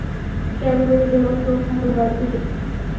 ক্যাবে করে গেলেও তো আমরা বাড়িতেই যাবো।